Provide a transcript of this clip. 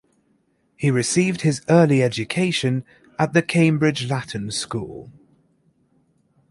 He received his early education at the Cambridge Latin School.